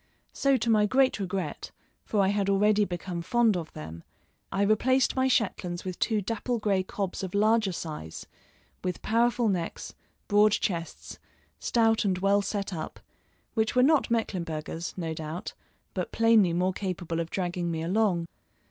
So to my great regret, for I had already become fond of them, I replaced my Shetlands with two dapple gray cobs of larger size, with powerful necks, broad chests, stout and well set up, which were not Mecklenburghers, no doubt, but plainly more capable of dragging me along.